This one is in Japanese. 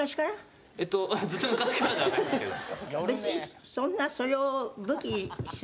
ずっと昔からではないんですけど。